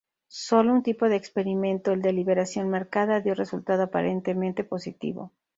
Sólo un tipo de experimento, el de 'liberación marcada', dio resultado aparentemente positivo.